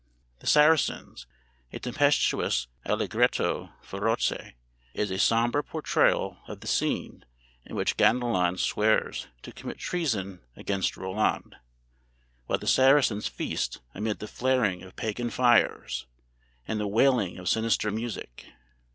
"The Saracens," a tempestuous Allegretto feroce, is a sombre portrayal of the scene in which Ganelon swears to commit treason against Roland, while the Saracens feast amid the flaring of pagan fires and the wailing of sinister music.